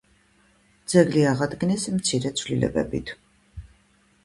ძეგლი აღადგინეს მცირე ცვლილებებით.